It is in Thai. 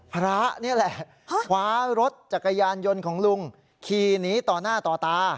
พระนี่แหละคว้ารถจักรยานยนต์ของลุงขี่หนีต่อหน้าต่อตา